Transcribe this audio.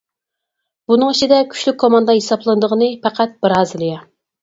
بۇنىڭ ئىچىدە كۈچلۈك كوماندا ھېسابلىنىدىغىنى پەقەت بىرازىلىيە.